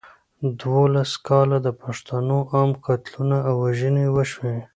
دولس کاله د پښتنو عام قتلونه او وژنې وشوې.